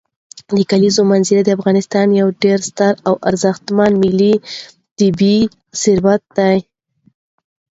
د کلیزو منظره د افغانستان یو ډېر ستر او ارزښتمن ملي طبعي ثروت دی.